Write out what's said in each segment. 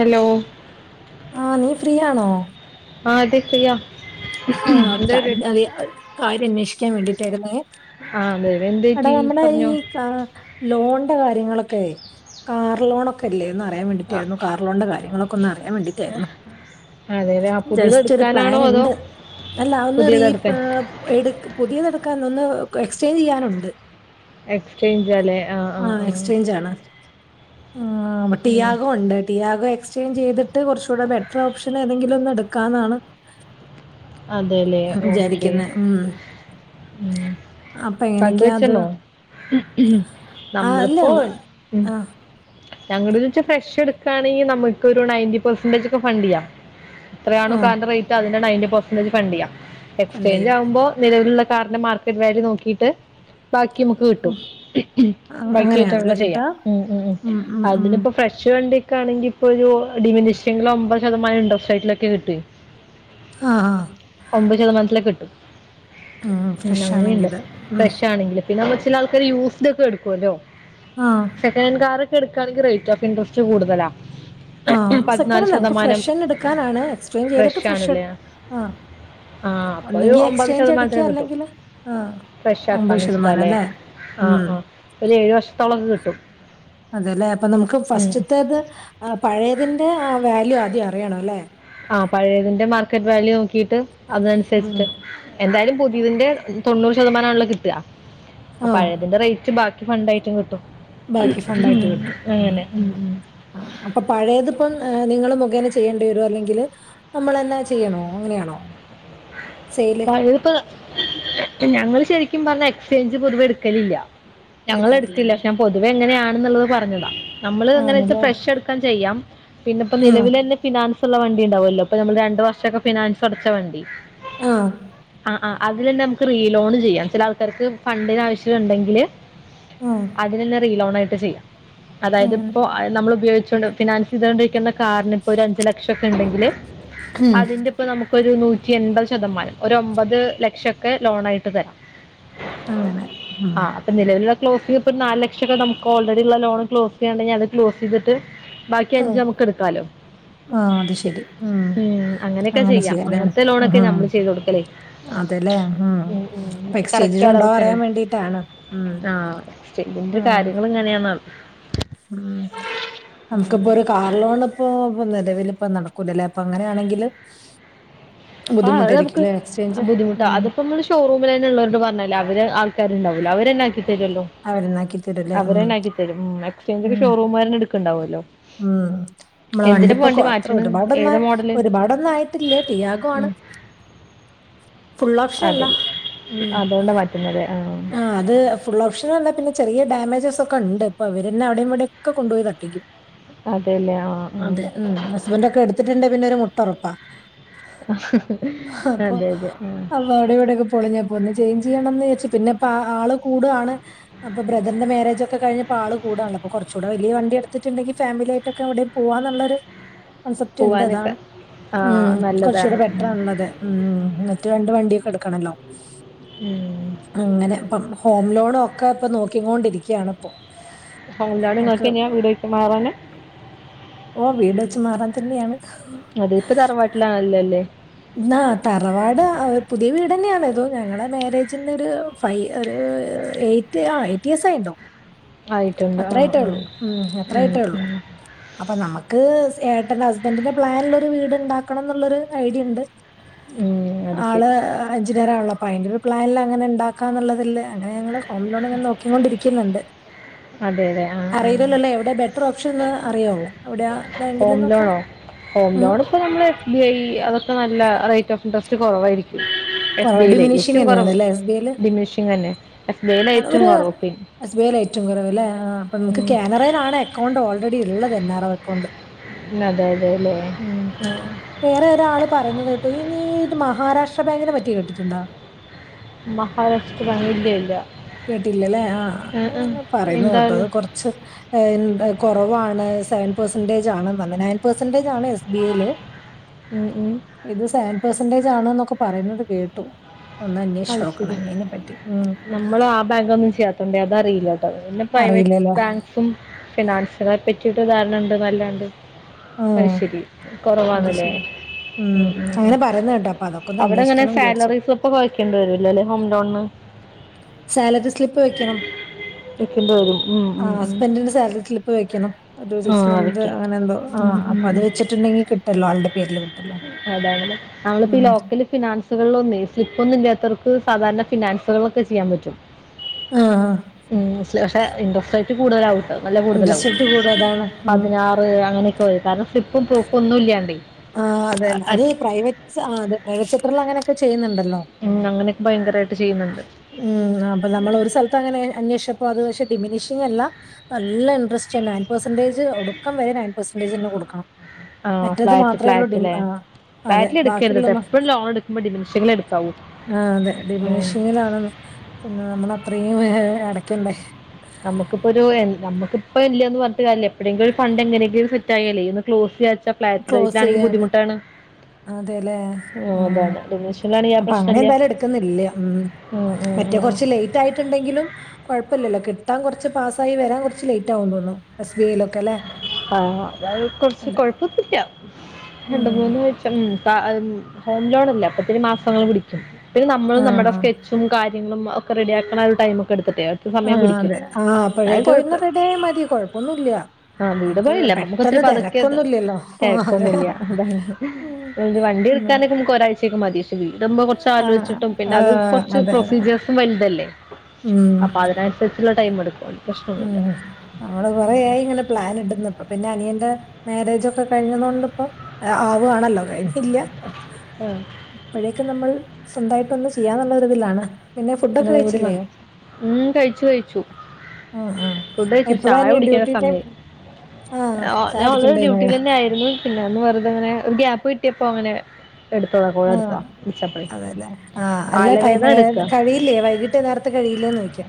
Hello ആഹ് നീ free ആണോ ആഹ് തെ ഫ്രീയ്യ ആഹ് കാര്യം ത് കാര്യം അന്വേഷിക്കാൻ വേണ്ടിട്ടായിരുന്നെ ആഹ് അതേലേ എന്തറ്റി പറഞ്ഞോ കാ ലോണിന്റെ കാര്യങ്ങളൊക്കെ കാർ ലോണൊക്കെ ല്ലേന്ന് അറിയാൻ വേണ്ടിട്ടായിരുന്നു കാറിലോൺൻ്റെ കാര്യങ്ങളൊക്കെ ഒന്ന് അറിയാൻ വേണ്ടിട്ടായിരുന്നു അതെ അതെ ആ പുതിയത് ജസ്റ്റ് ഒരു എടുക്കാനാണോ പ്ലാൻ അതോ ണ്ട് അല്ല ഒന്ന് റീ പുതിയത് പേ എടുക്കാൻ എ പുതിയത് എടുക്കാന്ന് ഒന്ന് എക്സ്ചേഞ്ച് ചെയ്യാനുണ്ട് എക്സ്ചേഞ്ച് ല്ലേ ആഹ് ആഹ് ആഹ് ഉം. ടിയാഗ ഉണ്ട് [inaudible] ടിയാക എക്സ്ചേഞ്ച് ചെയ്തിട്ട് കുറച്ചുടെ ബെറ്റർ ഓപ്ഷൻ ഏതെങ്കിലും ഒന്ന് എടുക്കാന്നാണ് അതല്ലേ ഓക്കേ വിചാരിക്കുന്നത് ഉം ഉം അപ്പൊ കണ്ട് എങ്ങനെയൊക്കെയാ അത് വെച്ചണോ ആ അല്ല നമ്മളിപ്പോ ഒന്ന് ആ [unintelligible] ഞങ്ങള്ച്ച ഫ്രഷ് എടുക്കുകയാണെങ്കിൽ നമുക്ക് ഒരു നയന്റ്റി പെർസെറേജ് ഒക്കെ ഫണ്ട് ചെയ്യാം ഓ എത്രയാണോ കാറിന്റെ റേറ്റ് അതിന്റെ നയന്റി പെർസന്റേജ് ഫണ്ട് ചെയ്യാം ഫണ്ട് ചെയ്യും എക്സ്ചേഞ്ച് ആവുമ്പോ നിലവിലുള്ള കാറിന്റെ മാർക്കറ്റ് വാല്യു നോക്കിയിട്ട് ബാക്കി നമുക്ക് കിട്ടും ആഹ് ബാക്കി അങ്ങനെയാണല്ലേ കട്ടൊക്കെ ചെയ്യാം കിട്ടാ ഉം ഉം ഉം തിനിപ്പോ ഫ്രഷ് വണ്ടിയൊക്കെ ആണെങ്കിൽപ്പൊ ഒരു ഡിമിനിഷ്യങ്ങിൽ ഒമ്പത് ശതമാനം ഇണ്ടർ് സൈറ്റിലൊക്കെ കിട്ടും ആഹ് ആഹ് ഒമ്പത് ശതമാനത്തിലൊക്കെ കിട്ടും, ഉം ഫ്രഷ് അങ്ങനെയുണ്ട് ആണെങ്കില് ഉം ഫ്രഷാണെങ്കില്. പിന്നെ വെച്ചില ആൾകാര് യൂസ്ഡ് ഒക്കെ എടുക്കല്ലോ? ആഹ് സെക്കഡ് കാറൊക്കെ എട്കാണെങ്കിൽ റേറ്റ് ഓഫ് ഇൻറസ്റ്റ് കൂടുതലാ. ആഹ്, സെക്കൻ പതിനാല് അല്ല നമുക്ക് ശതമാനം ഫ്രഷ്ന്ന എടുക്കാനാണ്, എക്സ്റ്റെച് ചെയ്തിട്ട് ഫ്രഷ ആഹ് ആഹ, അപ്പൊ ഒരു ഒന്നെങ്കി ഒമ്പത് എക്സ്ചേഞ്ച് ശതമാനത്തിന് അടിക്കുക കിട്ടും, അല്ലെങ്കില് ആഹ് ഫ്രഷ അമ്പത് ശതമാനം ആക്കാനിച്ചിട്ടാല്ലേ? അല്ലേ ആഹ് ഉം ആഹ് ഒരു ഏഴ് വർഷത്തോളം ഒക്കെ കിട്ടും. അതെല്ലേ, അപ്പൊ നമുക്ക് ഉം. ഫസ്റ്റത്തേത് പഴയതിന്റെ ആ വാല്യൂ ആദ്യം അറിയണം, അല്ലേ? ആഹ് പഴയതിന്റെ മാർക്കറ്റ് വാല്യൂ നോക്കിട്ട് ഉം അതനുസരിച്ചിട്ട്. എന്തായാലും പുതിയതിന്റെ തൊണ്ണൂറ് ശതമാനമാണല്ലോ കിട്ടുക? അഹ് ആഹ് പഴയതിന്റെ റേറ്റ് ബാക്കി ഫണ്ടായിട്ട് കിട്ടും, ബാക്കി ഫണ്ടായിട്ട് കിട്ടും ഉം അങ്ങനെ ഉം ആഹ് അപ്പൊ പഴയതിപ്പം നിങ്ങൾ മുഖേന ചെയ്യേണ്ടി വരോ, അല്ലെങ്കിൽ നമ്മൾ എന്നാ ചെയ്യണോ, അങ്ങനെയാണോ? സെയില് പഴതിപ്പോ, ഞങ്ങള് ശരിക്കും പറഞ്ഞ എക്സ്ചേഞ്ച് പൊതുവെ എടുക്കലില്ല. ഞങ്ങളടുത്തില്ല, എടുക്കാറില്ലല്ലേ പക്ഷെ ഞാൻ പൊതുവെ ഇങ്ങനെയാണെന്നുള്ളത് പറഞ്ഞതാ. നമ്മൾ അങ്ങനെച്ച ആണല്ലേ ഫ്രഷ് എടുക്കാൻ ചെയ്യാം, പിന്നെപ്പ ആഹ് നിലവിലെ തന്നെ ഫിനാൻസ് ഉള്ള വണ്ടി ഉണ്ടാവുമല്ലോ, ഇപ്പൊ നമ്മൾ രണ്ട് വർഷമൊക്കെ ഫിനാൻസ് അടച്ച വണ്ടി. ആഹ! ആഹാ ആഹാ അതിൽ തന്നെ നമുക്ക് റീ ലോൺ ചെയ്യാം, ചില ആൾക്കാർക്ക് ഫണ്ടിന്- ആവശ്യണ്ടെങ്കില്. ആഹ് അതില് തന്ന റീലോണായിട്ട് ചെയ്യാം, അതായത് അങ്ങനെ ഇപ്പോ നമ്മൾ ഉപയോഗിച്ചൊണ്ട് ഫിനാൻ- ചെയ്തണ്ടിരിക്കുന്ന കാരണം ഇപ്പോ, ഒരു അഞ്ചു ലക്ഷം ഒക്കെ ഉണ്ടെങ്കില്, ഉം അതിന്റെപ്പോ നമുക്ക് നൂറ്റി എൺപത്- ശതമാനം, ഒരു ഒമ്പത് ലക്ഷക്കെ ലോണായിട്ട് തരാം. അങ്ങനെ, ആഹാ! ആഹ് അപ്പൊ നിലവിലുള്ള ക്ലോസി ഇപ്പ നാല് ലക്ഷക്കെ നമുക്ക് ഓൾറെഡി ഉള്ള- ലോൺ ക്ലോസ് ചെയ്യണ്ട് അത് ക്ലോസ് ചെയ്തിട്ട്. ബാക്കി അഞ്ച് ആഹ് നമുക്ക്- എടുക്കാലോ? ആഹ് അത് ശരി ഉം, അങ്ങനെയൊക്കെ അങ്ങനെ ചെയ്യാം, ചെയ്യാല്ലേ അങ്ങനത്തെ ലോണൊക്കെ ഉം നമ്മള് ചെയ്ത കൊടുക്കല്. ഉം ഉം, അപ്പൊ കറക്റ്റ് എക്സ്ചേഞ്ചിന് ഉണ്ടോ അളവെക്കെണോ? അറിയാൻ വേണ്ടിട്ടാണ് ഉം ആഹ! ഇതിന്റെ ആഹ് കാര്യങ്ങൾ- ഇങ്ങനെയാന്നാണ്. ഉം! നമുക്കിപ്പോര് ഒരു കാർ ലോണ് ഇപ്പോ നിലവിലിപ്പ നടക്കൂലല്ലേ? അപ്പോ അങ്ങനെയാണെങ്കില്- [inaudible] ആഹാ അത് നമക്ക് ബുദ്ധിമുട്ടായിരിക്കുംല്ലേ എക്സ്ചേഞ്ച് ബുദ്ധിമുട്ടാ, ഉം അതിപ്പ നമ്മള്- ഷോറൂമിൽ തന്നെള്ളോരോട് പറഞ്ഞില്ലേ, അവര് ആൾക്കാരുണ്ടാവല്ലോ, അവര ന്നാക്കിത്തരല്ലോ. അവരുന്നാക്കി തരുംല്ലേ ഉം അവരന്നെ ആക്കിത്തരും. ഉം എക്സ്ചേഞ്ച് ഉം ഷോറൂമാരെന്നെ- എടുക്കണ്ടാവുമല്ലോ. ഉം, നമ്മളെ എന്തിനാ ഇപ്പൊ വണ്ടിപ്പോ വണ്ടി അത്ര മാറ്റണ് ഏതാ ഒരുപാടന്നായി, മോഡല് ഒരുപാടന്നായി- പില്ലേ പിയാകോണ്. ഉം അതെ, അതുകൊണ്ട് മാറ്റുന്നത്. ആഹാ! ആ അത് ഫുൾ ഓപ്ഷൻ അല്ല, പിന്നെ ഡാമേജസ് ഒക്കെ ഉണ്ട്, ഇപ്പ അവരന്നെ അവിടെയും- ഇവിടെയൊക്കെ കൊണ്ടുപോയി- തട്ടിക്കും. അതെല്ലേ ആ അതെ, ഉം ഉം, ഹസ്ബൻറ് ഒക്കെ- എടുത്തിട്ടുണ്ടേ പിന്നെ ഒരു മുട്ടറപ്പാ. അപ്പോ, അതെ അതെ ആ ആഹാ അവിടെവിടെക്ക- പൊളിഞ്ഞപ്പോന്ന്, ചേഞ്ച്- ചെയ്യണന്ന് വിചാരിച്ച്, പിന്നെപ്പ ആള് കൂടാണ്. അപ്പ ബ്രദറിന്റെ മാരേജക്കെ കഴിഞ്ഞപ്പോ ആള് കൂടണ്, അപ്പോ കുറച്ചൂടെ വലിയ വണ്ടി എടുത്തിട്ടുണ്ടെങ്കിൽ ഫാമിലി- ആയിട്ടക്കെ അവിടെ- പോവാന്നുള്ളരു കോൺസെപ്റ്റ്- ഉണ്ട്, പോവാനൊക്കെ അതാണ് ആ ഉം, നല്ലതാണ് കുറച്ചുകൂടെ- ബെറ്ററാണുള്ളത്. ഉം, മിറ്റത്തു രണ്ട് വണ്ടിയൊക്കെ- എടുക്കണല്ലോ? ഉം! അങ്ങനെ ഇപ്പം, ഹോം ലോണ ഒക്കെ ഇപ്പ, നോക്കൊണ്ടിരിക്കയാണ് ഇപ്പോ. ഹോം ലോണ് ങ്ങക്ക് ന്തിനാ വീട് വെച്ച് മാറാന? ഓ, വീട് വച്ച് മാറാൻ തന്നെയാണ്. അതെ, ഇപ്പ തറവാട്ടിലാണല്ലോല്ലേ? എന്നാ തറവാട് പുതിയ വീട് തന്നേണ്, ഞങ്ങളെ മാരേജിന്റെ ഒരു, ഫൈ ഒരു എയ്റ്റ് ആ എയ്റ്റ് ഇയർസ് ആയിണ്ടാവും. ആയിട്ടുണ്ട്. ആ, അത്രായിട്ടേ ആ. ഒള്ളൂ ഉം അത്രായിട്ടേ ഒള്ളു. അപ്പ നന്മക്ക് ഏട്ടന്റെ ഹസ്ബൻറിന്റെ പ്ലാനുള്ളൊരു- വീട്ണ്ടാക്കണം ന്നുള്ളൊരു ഐഡിയണ്ട് ഉം. അത് ആള് ശരി. എൻജിനീയറാണല്ലോ അപ്പോ അയിന്റെ ഒരു പ്ലാനില് അങ്ങനെ ഉണ്ടാക്കാന്നുള്ളതില്. അങ്ങനെ ഞങ്ങള് ഹോം ലോൺ ഇങ്ങനെ, നോക്കികൊണ്ടിരിക്കുന്നുണ്ട്. അതെ, അതെ. ആ, ആ. അറിയില്ലല്ലല്ലേ എവിടെ ബെറ്റർ ഓപ്ഷൻന്ന് അറിയാവോ? എവിടെയ ഹോം ബാങ്കിൽന്നൊക്കെ? ലോണോ? ഹോം ലോൺ ഇപ്പ, നമ്മള് എസ്. ബി. ഐ, അതൊക്കെ നല്ല റേറ്റ് ഓഫ്- ഇൻടറസ്റ്റ് കുറവായിരിക്കും. എസ്. ബി കുറവാ ഐയിലേ ഡിമിനിഷിങ് ഇക്കും തന്നെയാണ് കൊറവ് ഡിമിഷിങന്നെ. ആഹാ ഒരു എസ് ബി ഐ ലാ ഏറ്റവും കുറവ് ലേ, ആഹാ അപ്പോ നമുക്ക് ഉം. കാനറയിലാണ്. അക്കൗണ്ട് ഓൾറെഡി ള്ളത് എൻ. ആർ. O account. അതെല്ലേ, ഉം. ആഹാ! വേറെ ഒരാള് പറയുന്നത് കേട്ടു ഈ, നീ ഇത് മഹാരാഷ്ട്ര ബാങ്കിനെ പറ്റി കേട്ടിട്ടുണ്ടോ. മഹാരാഷ്ട്ര ബാങ്ക് ഇല്ല. കേട്ടില്ലല്ലേ ആഅത് ആ, ആ. വന്ന് പറയുന്നത് കേട്ടു അത് എന്തായാലും കൊറ- ച്ച് എന്താ കുറവാണ് സെവൻ പെർസെന്റേജാണ്, നയൻ പെർസെന്റേജാണ്, എസ്- ബി. യില് ഉം, ഉം. ഇത് സെവൻ പെർസെന്റേജാണ് എന്നൊക്കെ- പറയുന്നത് കേട്ടു. ഒന്നന്വേഷിച്ച് അത് നോക്കണം ശരി. ഇനി അതിനെ പറ്റി ഉം.. ! നമ്മൾ ആ ഹാ ബാങ്കൊന്നും ചെയ്യാത്തോണ്ട അത അറിയില്ലട്ടോ, പിന്നെ പ്രൈവറ്റ് അറിയില്ലല്ലേ ബാങ്ക്- ക്കും ഫിനാൻസിനെ പറ്റിട്ട് ധാരണ ഉണ്ട് ന്നല്ലാണ്ട് ഉം അയ്ശെരി അത് കുറവാണ്ലേ ശരി ഉം ഉം ഉം അങ്ങനെ പറയുന്നത് കേട്ടോ അപ്പൊ അതൊക്കെ ഒന്ന് അവടെങ്ങനെ അന്വേഷിക്കണം വിചാരിച്ചു സാലറീസും ഇപ്പ വയ്ക്കേണ്ടി വരൂല്ലല്ലേ ഹോം ലോൺന് സാലറി സ്ലിപ്പ് വെക്കണം വെക്കേണ്ടി വരും ഉം ഉം ആഹ് ഉം. ഹസ്ബൻഡിന്റെ സാലറി സ്ലി പ്പ് വെക്കണം ഒരു ആ സിക്സ് മന്ത് വെക്കണം അങ്ങനെ എന്തോ ആ അപ്പോ അത് വെച്ചിട്ടുണ്ടെങ്കി കിട്ടല്ലോ ആൾടെ പേരില് കി അതാണ് ല്ലെ നമ്മളിപ്പോ ഈ ലോക്കല് ഫിനാൻസ് ത്ത്കള്ലൊന്നേ സ്ലിപ്പ് ഒന്നും ഇല്ലാത്തോർക്ക് സാധാരണ ഫിനാൻസുകളോക്കെ ചെയ്യാൻ പറ്റും ആഹ് ആഹ് ല്ല പഷേ ഇൻറസ്റ്റ്റേറ്റ് കൂടുതലാവും ട്ടോ നല്ല ഇൻട്രസ്റ്റ് കൂടുതലാവും റേറ്റ് കൂടും അതാണ് ഉം. പതിന [unintelligible] അങ്ങനെക്കെ വേരും കാരണം സ്ലിപ്പും പ്രൂഫും ഒന്നും ഇല്ല്യാണ്ടേ ആഹ് അതെന്നെ അത് പ്രൈവറ്റ് ആഹ് അതെ പ്രൈവറ്റ് സെക്റ്ററിലങ്ങനെ അങ്ങനൊക്കെ ചെയ്യുന്നുണ്ടല്ലോ ഉം അങ്ങനൊക്കെ ബയങ്കരായിട്ട് ചെയ്യുന്നോണ്ട് ഉം അപ്പ നമ്മളൊരു സ്ഥലത്ത് അങ്ങനെ അന്വേഷ്ച്ചപ്പോ അത് പഷേ ഡിമിനിഷിങ് അല്ല നല്ല ഇൻട്രസ്റ്റ് തന്നെ നയൻ പെസെന്റേജ് ഒടുക്കം വരെ നയൻ പെസെന്റേജ് ന്നെ കൊടുക്കണം ആഹ് മറ്റേത് ഫ്ലാറ്റ് മാത്രമേ ഉള്ളൂ ഡിം- ഫ്ലാറ്റ്ല്ലെ ആ, അതെ ഫ്ലാറ്റില് എടുക്കരുത് ബാക്കിയുള്ള ട്ടോ എപ്പഴും ലോൺ എടുക്കുമ്പോ ഡിമിനിഷിങ്ങിലെ എടുക്കാവൂ ആഹ് അതെ ഉം ഡിമിനിഷിങ്ങിലാണ് പിന്നെ നമ്മൾ അത്രയും ഏഹ് അടക്കണ്ടേ നമുക്കിപ്പോരു എ നമുക്കിപ്പ ഇല്ലന്ന് പറഞ്ഞിട്ട് കാര്യംല്ല എപ്പോഴെങ്കിലും ഒരു ഫണ്ട് എങ്ങനെങ്കിലും സെറ്റായാലേ ഒ ക്ലോസ് ചെയ്യാച്ചാ ഫ്ലാറ്റ് ക്ലോസ് റേറ്റിലാണെങ്കി ചെയ്യാൻ ബുദ്ധിമുട്ടാണ് അതെല്ലേ ഉം അതാണ് ഡിമിനിഷനിലാണെങ്കിൽ ആ അപ്പോ അങ്ങനെ പ്രശ്നമില്ല എന്തായാലും എടുക്കുന്നില്ല ഉം ഉം ഉം മറ്റേ കൊ ഉം റച്ച് ലേറ്റ് ആയിട്ട്ണ്ടെങ്കിലും കൊഴപ്പല്ലല്ലോ കിട്ടാൻ കൊറച്ച് പാസ്സായി വരാൻ കൊറച്ച് ലേറ്റ് ആവും തോന്ന്ണു എസ് ബി ഐ ലോക്കല്ലേ ആഹ് അതായെ കൊറച്ച് കൊഴ പ്പോത്തുല്ല്യ രണ്ട് ഉം മൂന്ന് വെച്ചം ഫ ഉം ഹോം ലോൺല്ല അപ്പത്തെന് മാസങ്ങൾ പിടി ക്കും പിന്നെ നമ്മള് ആ നമ്മടെ സ്കെച്ചും കാര്യങ്ങളും ഒക്കെ റെഡിയാക്കണ ഒരു ടൈമൊക്കെ എടുത്തിട്ടേ അതൊക്കെ സമയം ആഹ് പിടിക്കും അതെ ആ അപ്പോഴേക്കെ പിന്നെ റെഡിയായ മതി കൊഴപ്പൊന്നുല്ല്യ ആഹ് വീട് പണില്ലേ അപ്പോ നമ്മക്ക് ഒത്തിരി പതുക്കെ ത തിരക്കൊന്നുമില്ലല്ലോ ആ, അതെ തെരക്കൊന്നുംല്ല അതാണ് ഉം, ഒരു വണ്ടി ഉം. എടുക്കാനൊക്കെ നമ്മുക്ക് ഒരാഴ്ച്ചേക്കെ മതി വീടമ്പോ കൊറച്ച് ആ ആലോച്ചിട്ടും പിന്നെ ആ അത് കൊറച്ച് അതെ അതെ പ്രൊസീജിയേസും വൽതല്ലേ ഉം അപ്പ അതിനനുസരിച്ചുള്ള ടൈം എടുക്കും പ്രശ്നമൊന്നുമില്ല ഉം നമ്മള് കൊറേയായി ഇങ്ങനെ പ്ലാൻ ഇടുന്നു ഇപ്പ പിന്നെ അനിയന്റെ മാരേജൊക്കെ കഴിഞ്ഞതൊണ്ട്പ്പൊ ആവ്വാണല്ലോ കഴിഞ്ഞില്ല ആഹ് ഇപ്പഴേക്ക് നമ്മൾ സ്വന്തായിട്ടൊന്ന് ചെയ്യാന്നുള്ളരിതിലാണ്. നിങ്ങള് കൂടിമാ ഉം കഴിച്ചു കഴിച്ചു ഉം ഉം ഫുഡ് കഴിച്ചു എപ്പഴാ ചായ നീ കുടിക്കണ ഡ്യൂട്ടി ടൈം സമയായ് ആഹ് ചായ ഞാ ഓൾറെഡി കുടിക്കണ്ടേ മഴ ഡ്യൂട്ടിലന്നെ ആയിരുന്നു പിന്നെ ഒന്ന് വെറുതെ അങ്ങനെ ഒരു ഗ്യാപ്പ് കിട്ടിയപ്പോ അങ്ങനെ എടുത്തതാ കോൾ ആഹ് എടുത്തതാ വിളിച്ചപ്പോഴേ അതെല്ലേ ആഹ് അല്ല ടൈമ് തലവേദന എടുക്കുക കഴി ഇല്ലേ വൈകിട്ട് നേരത്തെ കഴില്ലേന്ന് ചോയ്ക്ക്യാ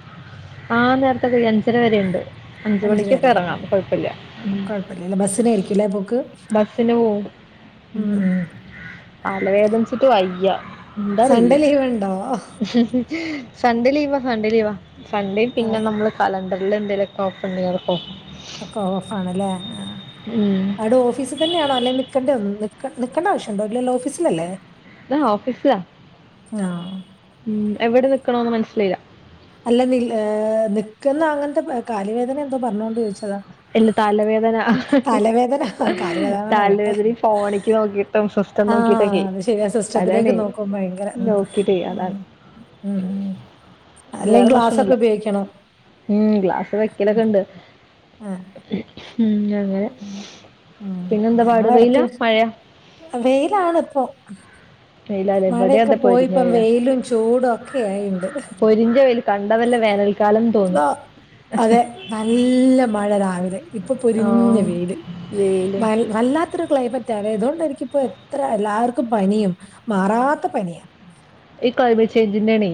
ആഹ് നേരത്തെകയ്യും അഞ്ചര വരെണ്ട് അഞ്ച് അഞ്ചര മണിക്കൊക്കെ വരെയല്ലേ എറങ്ങാം കൊഴപ്പില്ല ഉം [unintelligible] ബസ്സിനായിരിക്കുംല്ലേ പോക്ക് ബസിന് പോവും ഉം തലവേദനിച്ചിട്ട് വയ്യാ എന്താറില്ല. സൺഡേ ലീവ് ഉണ്ടോ സൺഡേ ലീവാ സൺഡേ ലീവാ സൺഡേ പിന്നെ ആഹ് നമ്മള് കലണ്ടർല് എന്തെങ്കിലൊക്കെ ഓഫോണ്ടേ അതൊക്കെ ഓഫാ ഒക്കോ ഓഫാണല്ലേ ഉം ആടെ ഓഫീസി തന്നെയണോ അല്ലെ നിക്കണ്ടെ നിക്കേണ്ട ആവശ്യംണ്ടോ ഇല്ലല്ലോ ഓഫീസിലല്ലേ? ഞാ ഓഫീസ്ല ആഹ് ഉം എവിടെ നിക്കണോന്ന് മനസ്സിലായില്ല അല്ല നിൽ നിക്കുന്ന അങ്ങൻത്തെ കാല് വേദന എന്തോ പറഞ്ഞോണ്ട് ചോദിച്ചതാ. എല്ല തലവേദന തലവേദന ആ, തലവേദന ഫോണിക്ക് നോക്കി ആഹ് അത് ശരിയാ സിസ്റ്റത്തിന്റെക്ക് അതാണേ നോക്കുമ്പോ ഭയങ്കര ഉം നോക്കിട്ടേ ഉം അതാണ് ഉം ഉം വേറെ അല്ലെങ്കിൽ ഗ്ലാസ് ഒക്കെ പ്രശ്നൊന്നുല്ല ഉപയോഗിക്കണം ഉം ഗ്ലാസ് വെക്കലൊക്കെണ്ട് ഏഹ് ഉം അങ്ങനെ ഉം. പിന്നെ എന്താ പാട് വെയില മഴയാ വെയിലാണ്പ്പൊ വെയിലല്ലെ വിടെ അതെ പൊരിഞ്ഞ വെയ്ല വെയിലും ചൂടും ഒക്കെ ആയിണ്ട് പൊരിഞ്ഞ വേയ്ൽ കണ്ടവല്ല വേനൽക്കാലം തോന്നും ഇതാ, അതെ നല്ല മഴ രാവിലെ ഇപ്പൊ ആ പൊരിഞ്ഞ വെയില് വെയില് മാ വല്ലാത്തൊരു ക്ലൈമറ്റാലെ ഇതുകൊണ്ടെനിക്ക്പ്പോ എത്ര എല്ലാർക്കും പനിയും മാറാത്ത പനിയാ ഈ ക്ലൈമെറ്റ് ചേഞ്ചിൻഡാണെ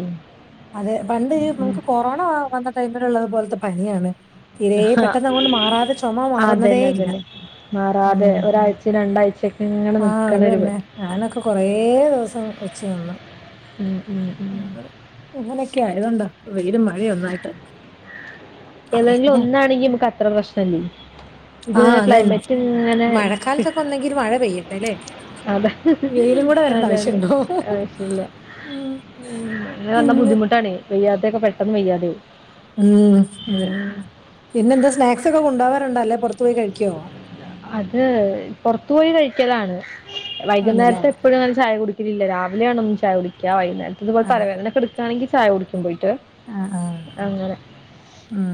അതെ പണ്ട് ഈ നമുക്ക് കൊറോണ വന്ന ടൈമിലുള്ളത് പോലത്തെ പനിയാണ് തിരെ പെട്ടെന്ന് അങ്ങൊണ്ട് മാറാതെ ചുമ അതന്നെ മാറുന്നതേല്ല അതന്നെ മാറാതെ ഒരാഴ്ച രണ്ടാഴ്ചൊക്കെ ആ അത് ഇങ്ങെനനിക്കാനൊരു മ തന്നെ. ഞാനൊക്കെ കൊറേ ദിവസം വെച്ചു നിന്നു ഉം ഉം ഉം അങ്ങനൊക്കെ ആയതൊണ്ട വെയിലും മഴയൊന്നായിട്ട് ഏതെങ്കിലും ഒന്നാണെങ്കി നമുക്ക് അത്ര പ്രശ്നംല്ലേ ഇത് ആ അത് തന്നെ. ക്ലൈമറ്റ് ഇങ്ങനെ മഴക്കാലത്തൊക്കെ ഒന്നെങ്കിൽ ഒരു മഴ പെയ്യട്ടെ ലെ അതെ വെയിലും കൂടെ വരേണ്ട അതാണ് ആവശ്യുണ്ടോ ആവശ്യമില്ല ഉം ഉം അങ്ങന വന്നാ പിന്നെ ബുദ്ധിമുട്ടാണെ വയ്യാത്തൊക്കെ പെട്ടെന്ന് വെയ്യാതാവും. ഉം അതെ പിന്നെന്താ സ്നാക്സ് ഒക്കെ കൊണ്ടാവാറുണ്ടോ അല്ലെ പുറത്തു പോയി കഴിക്കോ അത് പുറത്തു പോയി കഴിക്കലാണ് ആണല്ലേ വൈകുന്നേരത്തെ എപ്പഴും അങ്ങനെ ചായ കുടിക്ക ലില്ല രാവിലെയാണ്‌ ഒന്ന്‌ ചായ കുടിക്ക വൈകുന്നേരത്ത്ക്ക് ആ തലവേദനക്ക എടുക്കാണെങ്കിൽ ചായ കുടിക്കും പോയിട്ട് ആഹ് ആഹ് അങ്ങനെ ഉം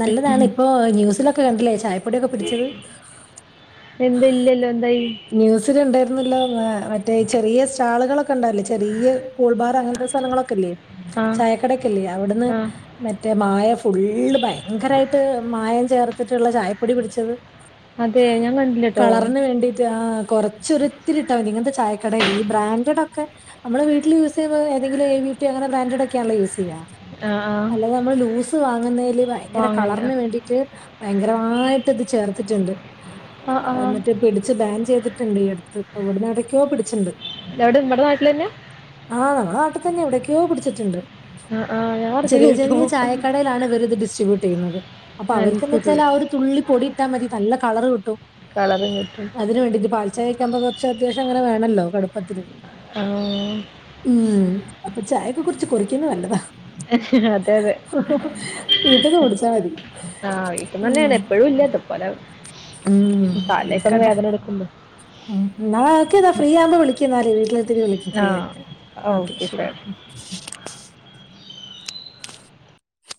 നല്ലതാണ് ഇപ്പോ ന്യൂസിലൊക്കെ ഒക്കെ കണ്ടില്ലേ ചായപ്പൊടിയൊക്കെ പിടിച്ചത് എന്താ ഇല്ലല്ലോ എന്തായി ന്യൂസിൽ ഉണ്ടായിരുന്നല്ലോ മറ്റേ ചെറിയ സ്റ്റാളുകളൊക്കെ ഉണ്ടായില്ലേ ചെറിയ കൂൾബാർ അങ്ങനത്തെ സ്ഥലങ്ങളൊക്കെല്ലേ ആ ചായക്കടയൊക്കെ ഇല്ലേ അവിടുന്ന് ആ മറ്റേ മായ ഫുള്ള് ഭയങ്കരായിട്ട് മായം ചേർത്തിട്ടുള്ള ചായപ്പൊടി പിടിച്ചത് അതെ ഞാൻ കണ്ടില്ല കേട്ടോ കളറിന് വേണ്ടീട്ട് ആഹ് കൊറ ച്ച് ഒരു ഇത്തിരി ഇട്ടാവതി ഇങ്ങനത്തെ ചായക്കടേൽ ഈ ബ്രാൻഡഡ് ഒക്കെ നമ്മള് വീട്ടില് യൂസ് ചെയുമ്പോ ഏതെങ്കിലും എവിട്ടിയോ അങ്ങന ബ്രാൻഡാടൊ ക്കെയാണല്ലോ യൂസ് ചെയ ആ ആ അല്ല നമ്മള് ലൂസ് വാങ്ങുന്നേൽ ഭയങ്കര വാങ്ങില്ല കളറിന് വേണ്ടിട്ട് ഭയങ്കരമായിട്ട് ഇത് ചേർത്തിട്ടുണ്ട് ആ ആ എന്നിട്ട് പിടി ച്ച് ബാൻ ചെയ്തിട്ടുണ്ട് ഈ അടുത്ത് ഇപ്പൊവിടുന്ന് എവിടെക്കെയോ പിടിച്ചണ്ട് എവിടെ നമ്മടെ നാട്ടിൽ തന്നെയാ ആഹ് നങ്ങള നാട്ടിൽ തന്നെ എവിടേക്കെയോ പിടിച്ചിട്ടുണ്ട് ആ ആ ഞാൻ അറിഞ്ഞില്ല ചെറിയ കേട്ടോ ചെറിയ ചായക്കടയിലാണ് ഇവരിത് ഡിസ്ട്രിബ്യൂട്ട് ചെയ്യുന്നത് അപ്പൊ അത് അവർകെന്ന് ശരി വെച്ചാൽ ആഹ് ഒരു തുള്ളി പൊടി ഇട്ടാ മതി നല്ല കളറ് കിട്ടും കളറും കിട്ടും അതിന് വേണ്ടിട്ട് പാൽചായൊക്കെ ആവുമ്പോ കൊറച്ച് അത്യാശം അങ്ങനെ വേണല്ലോ കടുപ്പത്തില് ആഹ് ഉം അപ്പൊ ചായൊക്കെ കൊറച്ച് കൊറക്കുന്ന നല്ലതാ അതെതെ വീട്ടിന്ന് പൊടിച്ചാ മതി. ആഹ് വീട്ടുമെ ഉം തന്നെയാണ് എപ്പഴും ഇല്ലതും ലെ ഉം താലേക്കൊന്ന് ആയിക്കോട്ടെ. വേദന എടുക്കുമ്പോ ഉം എന്നാ ഓക്കെ എന്നാ ഫ്രീ ആവുമ്പോ വിളിക്ക് എന്നാല് വീട്ടിലെത്തിട്ട് വിളിക്ക് ആ ഫ്രീ ആയിട്ട് ഓക്കെ ശരി ഉം